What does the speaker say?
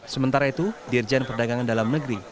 sementara itu dirjen perdagangan dalam negeri